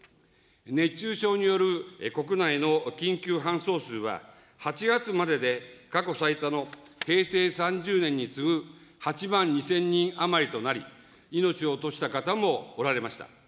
熱中症による国内の緊急搬送数は、８月までで過去最多の平成３０年に次ぐ、８万２０００人余りとなり、命を落とした方もおられました。